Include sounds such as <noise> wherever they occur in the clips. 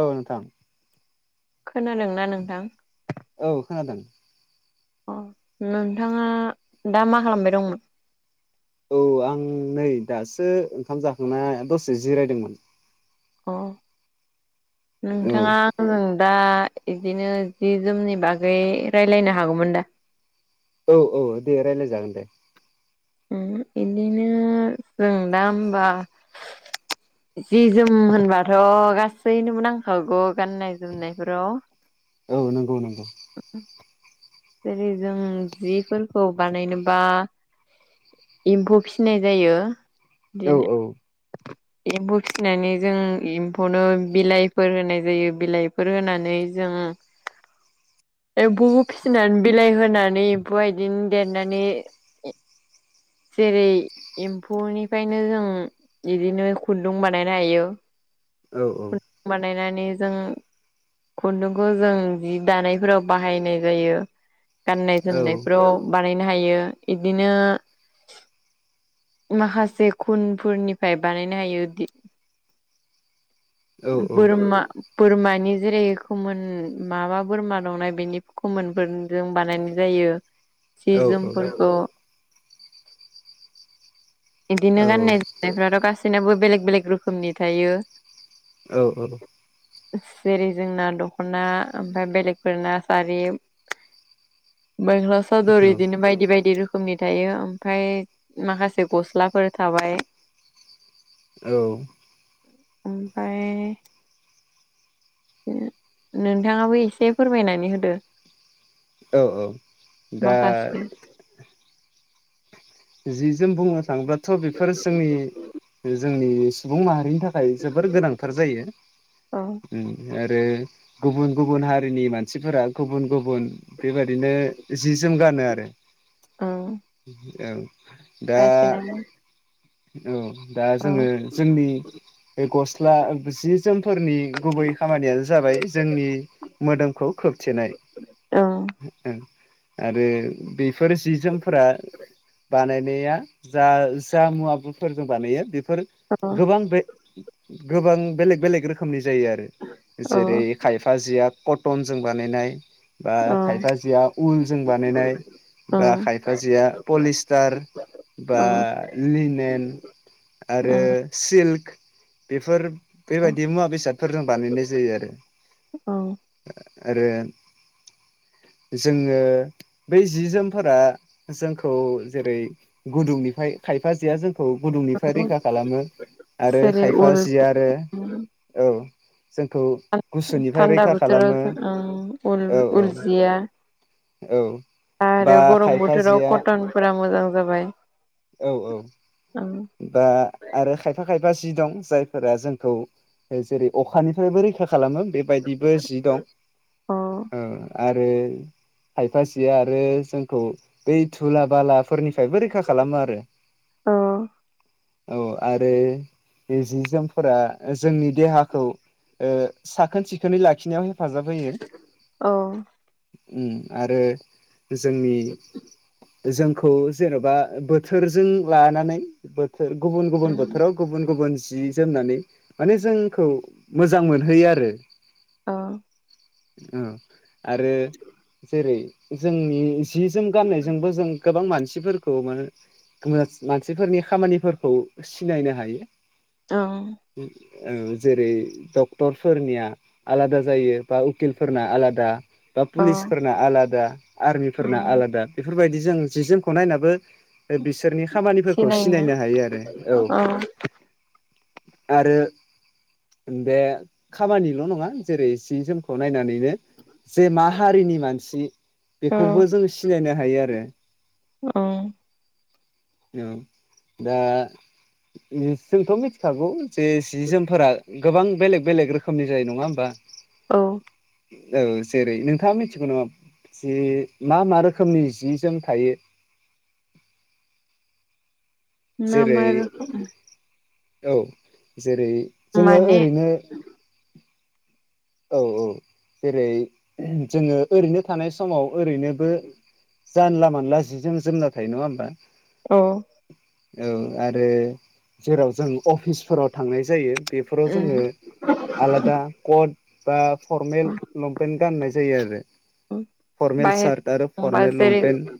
औ नोंथां खोनादोंना नोंथां औ खोनादों अ नोंथाङा दा मा खालामबाय दंमोन औ आं नै दासो ओंखाम जाखांना दसे जिरायदोंमोन अ औ नोंथाङा दा बिदिनो जि जोमनि बागै रायलायनो हागौमोन दा औ औ दे रायलाय जागोन दे बिदिनो जों दा होमबा जि जोम होनबाथ' गासैनोबो नांखागौ गाननाय जोमनाय फोराव औ नंगौ नंगौ जेरै जों जिफोरखौ बानायनोबा एमफौ फिसिनाय जायो औ औ एमफौ फिसिनानै जों एमफौनो बिलाइफोर होनाय जायो बिलाइफोर होनानै जों एमफौ फिसिनानै बिलाइ होनानै एमफौआ इदिनो देरनानै जेरै एमफौनिफ्रायनो जों बिदिनो खुन्दुं बानायनो हायो औ बानायनानै जों खुन्दुंखौ जों जि दानायफोराव बाहायनाय जायो गाननाय औ जोमनायफ्राव बानायनो हायो बिदिनो माखासे खुनफोरनिफ्राय बानायनो हायो औ बोरमा बोरमानि जेरै खोमोन माबा बोरमा दंना बेनि खोमोनफोरजों बानायनाय जायो सि जोमफोरखौ बिदिनो गाननाय जोमनायफ्राथ' गासैनाबो बेलेक बेलेक रोखोमनि थायो औ औ जेरै जोंना दख'ना ओमफ्राय बेलेगफोरना सारि मेखाला सादोर बिदिनो बायदि बायदि रोखोमनि थायो । ओमफाय माखासे गस्लाफोर थाबाय औ ओमफ्राय नोंथांङाबो एसे फोरमायनानै होदो औ - औ दा माखासे जि जोम बुंनो थांङोबथ' बेफोर जोंनि जोंनि सुबुं माहारिनि थाखाय जोबोर गोनांथार जायो औ । आरो गुबुन गुबुन हारिनि मानसिफोरा गुबुन गुबुन बेबायदिनो जि - जोम गानो आरो उम औ दा <unintelligible> औ दा औ जोंङो जोंनि बे गस्ला जि - जोमफोरनि गुबै खामानियानो जाबाय जोंनि मोदोमखौ खोबथेनाय ओं आरो बेफोर जि जोमफोरा बानायनाया जा जा मुवाफोर जों बानायो बेफोर औ गोबां बे गोबां बेलेग बेलेग रोखोमनि जायो आरो औ जेरै खायफा जिया कटनजों बानायनाय बा ओं खायफा जिआ उलजों बानायनाय बा ओं खायफा जिया पलिस‌ ओं बा लिनेन आरो सिल बेेफोर ओं बेबायदि मुवा बेसादफोरजों बानायनाय जायो आरो ओं आरो जोंङो बै जि जोमफोरा जोंखौ जेरै गुदुंनिफ्राय खायफा जिया जों खौ गुदुंनिफ्राय रैखा खालामो आरो जेरै खायफा उल जिया आरो औ जोंखौ गुसुनिफ्राय थान्दा रैखा बोथोराव खालामो ओं उल औ - उल औ जिया औ बा आरो गरम खायफा बोथोराव जिया कटनफोरा मोजां जाबाय औ - औ औ बा आरो खायफा खायफा जि दं जायफोरा जोंखौ जेरै अखानिफ्रायबो रैखा खालामो बेबायदिबो जि दं औ आरो खायफासे आरो जोंखौ बै थुला बालाफोरनिफ्राय रैखा खालामो आरो औ औ आरो बे जि - जोमफोरा जोंनि देहाखौ साखोन सिखोनै लाखिनायाव हे औ ओम आरो जोंनि जोंखौ जेनबा बोथोरजों लानानै बोथोर गुबुन गुबुन बोथोराव गुबुन गुबुन जि जोमनानै माने जोंखौ मोजां मोनहैयो आरो आ औ आरो जेरै जोंनि जि जोम गाननायजोंबो जों गोबां मानसिफोर खौ मानो मानसिफोरनि खामानिफोरखौ सिनायनो हायो औ जेरै डक्टरफोरनिया आलादा जायो बा उकिलफोरना आलादा बा औ पुलिसफोरना आलादा आरमिफोरना आलादा बेफोरबायदि जों जि जोमखौ नायनाबो बिसोरनि खामानिफोरखौ सिनायनो हायो आरो औ आरो बे खामानिल' नंङा जेरै सि जोमखौ नायनानै जे मा हारिनि मानसि औ बेखौबो जों सिनायनो हायो आरो औ औ दा जोंथ' मिथिखागौ जे सि जोमफोरा गोबां बेलेग बेलेग रोखोमनि जायो नङा होमबा औ औ जेरै नोंथांङा मिथिगौ नामा जि मा मा रोखोमनि जि जोम थायो मा जेरै मा आरो औ जेरै जोङो माने ओरैनो औ औ जेरै जोङो ओरैनो थानाय समाव ओरैनोबो जानला मानला जिजों जोमना थायो नङा होमबा औ औ आरो जेराव जों अफिसफोराव थांनाय जायो बेफोराव उम जोङो आलादा कट बा फरमेल लंपेन्ट गाननाय जायो आरो औ फर्मेल सार्ट होनबा फरमेल जेरै लंपेन्ट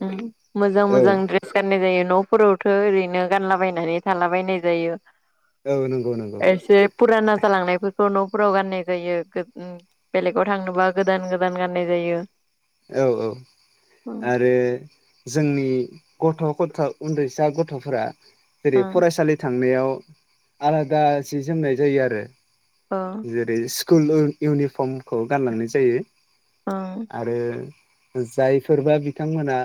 मोजां औ मोजां द्रेस गाननाय जायो न'फोरावथ' ओरैनो नो गानलाबायनानै थालाबायनाय जायो औ नंगौ नंगौ एसे फुराना जालांनायफोरखौ न फोराव गाननाय जायो बेलेगाव थांनोबा गोदान गोदान गाननाय जायो औ औ आरो जोंनि गथ' गथ' उन्दैसा गथ'फोरा जेरै ओं फरायसालि थांनायाव आलादा सि जोमनाय जायो आरो औ जेरै स्कुल इउनिफर्मखौ गानलांनाय जायो औ आरो जायफोरबा बिथांमोना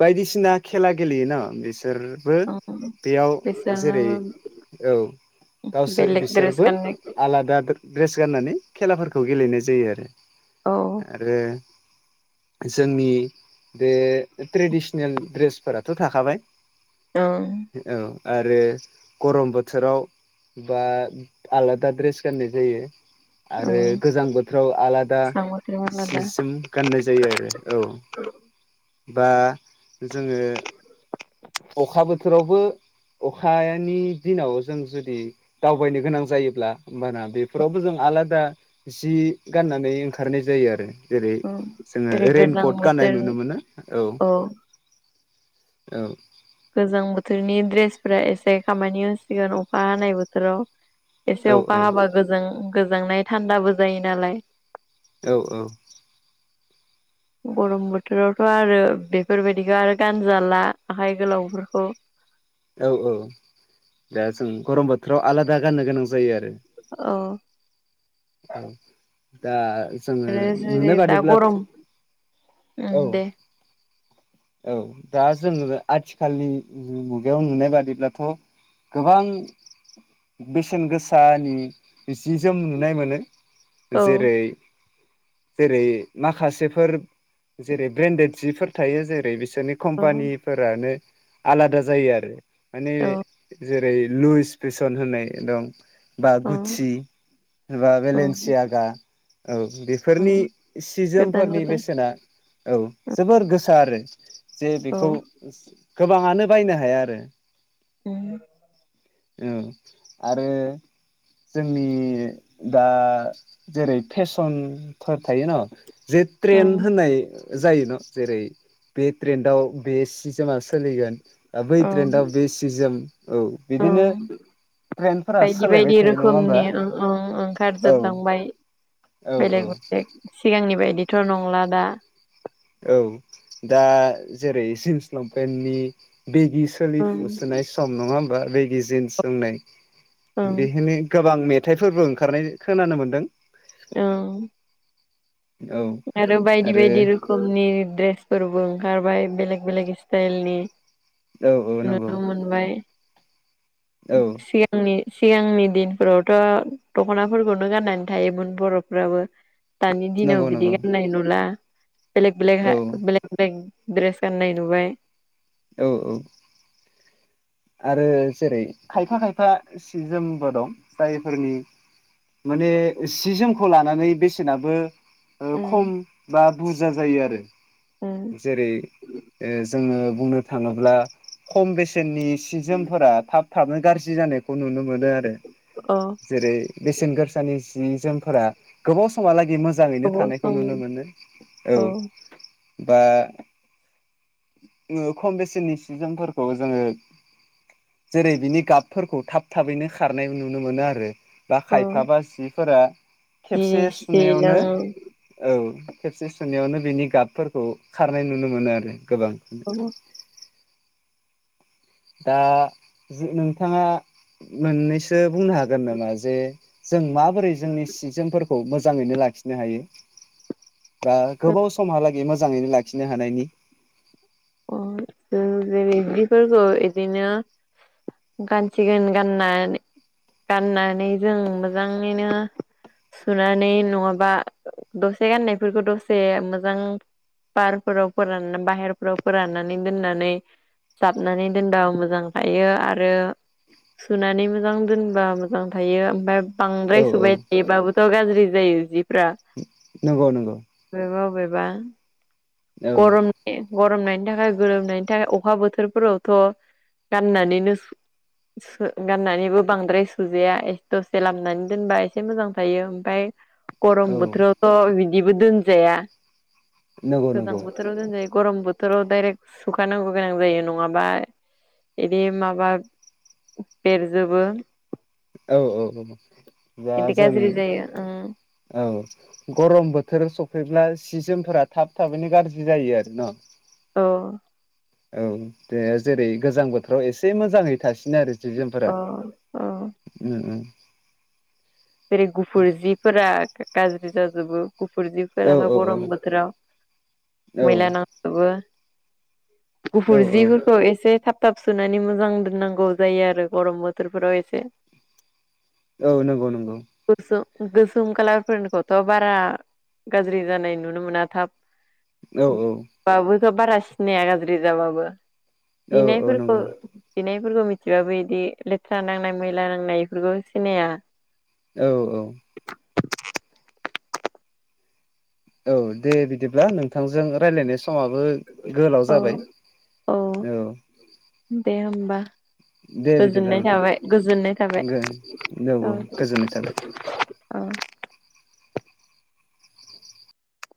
बायदिसिना खेला गेलेयोना बेसोरबो ओं बेयाव जेरै बिसोरनाबो औ गावसोर बेलेग द्रेस बिसोरबो गाननाय आलादा ड्रेस गाननानै खेलाफोरखौ गेलेनाय जायो आरो औ ओं आरो जोंनि बे ट्रेडिसनेल ड्रेसफोराथ' थाखाबाय औ औ आरो गरम बोथोराव बा आलादा ड्रेस गाननाय जायो आरो गोजां बोथोराव आलादा बोथोराव सि आलादा जोम गाननाय जायो आरो औ बा जोङो अखा बोथोरावबो अखानि दिनाव जों जुदि दावबायनो गोनां जायोब्ला होमबाना बेफोरावबो जों आलादा जि गाननानै ओंखारनाय जायो आरो जेरै ओं जोङो जेरै गोजां रैइेनकट गाननाय बोथोर नुनो मोनो औ औ गोजां बोथोरनि दड्रेसफोरा एसे खामानि होसिगोन अखा हानाय बोथोराव औ एसे औ अखा हाबा गो गोजांनाय थान्दाबो जायो नालाय औ औ गरम बोथोरावथ' आरो बेफोरबायदिखौ आरो गानजाला आखाय गोलावफोरखौ औ औ दा जों गरम बोथोराव आलादा गाननो गोनां जायो आरो अ औ दा जोङो आरो जेरै नुनाय दा बादिब्ला गरम औ उम दे औ दा जोङो आथिखालनि मु मुगायाव नुनाय बादिब्लाथ' गोबां बेसेन गोसानि जि जोम नुनाय मोनो औ जेरै जेरै माखासेफोर जेरै ब्रेन्डेड सिफोर थायो जेरै बि- सोरनि औ कम्पानि फोरानो आलादा जायो आरो माने औ बै लुइस फेसन होननाय दं बा गुसि एबा बेलेन्सि औ आगा औ औ बेफोरनि सि गोदान जोमफोरनि गोदान बेसेना औ जोबोर गोसा आरो जे औ बेखौ गोबाङानो बायनो हाया आरो औ <unintelligible> औ आरो जोंनि दा जेरै फेसनफोर थायो न' जे ट्रेेन्ड ओं होननाय जायोना जेरै बे ट्रेेन्डाव बे सिस थिमा सोलिगोन बै ट्रेन्डाव बे सि जोम औ बिदिनो ओं ट्रेन्डफोरा बायदि सोलायबाय बायदि थायो नङा होमबा रोखोमनि ओ ओं ओंखार औ जोबलांबाय। औ औ बेलेग बेलेग सिगांनि बायदिथ' नंला दा औ दा जेरै जिन्स लंपेन्टनि बेगि ओं सोलिफुसोनाय सम नङा होमबा बेगि जिन्स जोमनाय ओं बेहेनो गोबां मेथाइफोरबो ओंखारनाय खोनानो मोनदों औ औ आरो बायदि बायदि रोखोमनि ड्रेस फोरबो ओंखारबाय बेलेक बेलेक स्टाइलनि औ नंगौ नुनो मोनबाय औ सिगांनि सिगांनि दिनफोरावथ' दख'नाफोरखौनो गाननानै थायोमोन बर'फोराबो दानि दिनाव नंगौ बिदि नंगौ गाननाय नुला बेलेग बेलेग औ हा बेलेग बेलेग द्रेस गननाय नुबाय औ औ आरो जेरै खायफा खायफा सि जोमबो दं जायफोरनि माने सि जोमखौ लानानै बेसेनाबो ओ उम खम बा बुरजा जायो आरो उम जेरै ओ जोङो बुंनो थाङोब्ला खम बेसेननि सि जोमफोरा थाब थाबनो गाज्रि जानाय खौ नुनो मोनो आरो अ जेरै बेसेन गोरसानि जि जोमफोरा गोबाव समहालाग मो- जाङैनो गोबाव थानायखौ सम नुनो मोनो औ बा ओ खम बेसेननि सि जोमफोरखौ जोङो जेरै बिनि गाबफोरखौ थाब थाबैनो खारनाय नुनो मोनो आरो बा औ खायफा बा जिफोरा जि खेबसे जि सुनायावनो लोङो औ खेबसे सुनायावनो बिनि गाबफोरखौ खारनाय नुनो मोनो आरो गोबां औ दा जि नोंथाङा मोननैसो बुंनो हागोन नामा जे जों माबोरै जोंनि सि जोमफोरखौ मोजाङैनो लाखिनो हायो बा गोबाव समहालागै मोजाङैनो लाखिनो हानायनि अ ज जदिफोरखौ बिदिनो <unintelligible> गानसिगोन गाननानै गाननानै जों मोजाङैनो सुनानै नङाबा दसे गाननायफोरखौ दसे मोजां पारफोराव फोरान बाहेर फ्राव फोराननानै दोननानै जाबनानै दोनबा मोजां थायो आरो सुनानै मोजां दोनबा मोजां थायो ओमफ्राय औ बांद्राय औ सुबाय थायोबाबोथ' गाज्रि जायो जिफ्रा नंगौ नंगौ बा औ गरम गरमनाय नि थाखाय गोरोमनायनि थाखाय अखा बोथोरफोरावथ' गाननानैनो गाननानैबो बांद्राय सुजाया दसे लामनानै दोनबा एसे मोजां थायो ओमफफ्राय गरम औ बोथोरावथ' बिदिबो दोनजाया नंगौ गोजां नंगौ बोथोराव दोनजायो गरम बोथोराव डायरेक्ट सुखानांगौ गोनां जायो नङाबा बिदि माबा बेरजोबो औ औ औ बिदि ज ज गाज्रि जायो ओं औ गरम बोथोर स फैब्ला सि जोमफोरा थाब थाबैनो गाज्रि जायो आरो न औ औ दे जेरै गोजां बोथोराव एसे मोजाङै थासिन आरो अ अ उ जेरै गुफुर जिफोरा गाज्रि जाजोबो गुफुर औ जिफोरालाथ' औ औ गरम बोथोराव मैला नांजोबो औ गुफुर औ जि फोरखौ एसे थाब थाब सुनानै मोजां दोननांगौ जायो आरो गरम बोथोरफोराव एसे औ नंगौ नंगौ गोसोम गोसोम खालार फोरखौथ' बारा गाज्रि जानाय नुनो मोना औ थाब बाबोखौ बारा सिनाया गाज्रि जाबाबो औ औ नंगौ गनायफोरखौनाय बेफोरखौ मिथिब बे इदि लेथ्रा नांनाय मैला नांनाय बेफोरखौ सिनाया औ औ औ दे बिदिब्ला नोंथांजों रायज्लायनाय स समाबो गोलाव औ जाबाय औ दे होमबा दे बिदिब्ला गोजोननाय नोंथां थाबाय गोजोननाय थाबाय औ औ गोजोननाय थाबाय औ औ